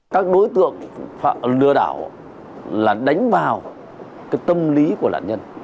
các đối tượng lừa đảo là đánh vào tâm lý của nạn nhân